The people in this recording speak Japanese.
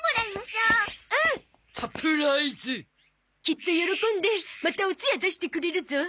きっと喜んでまたおつや出してくれるゾ。